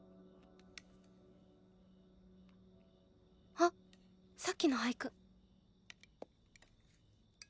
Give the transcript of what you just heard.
あさっきの俳句。